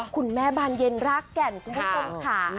คุณแม่บานเย็นรากแก่นคุณผู้ชมค่ะ